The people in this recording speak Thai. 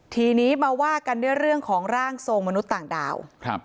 ทีนี้มาว่ากันด้วยเรื่องของร่างทรงมนุษย์ต่างดาวครับ